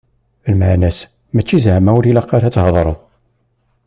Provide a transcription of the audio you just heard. Lmeεna-s mačči zeεma ur ilaq ara ad tḥadreḍ.